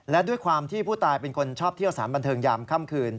และด้วยความที่ผู้ตายเป็นคนชอบเที่ยวสารบันเทิงยามค่ำคืน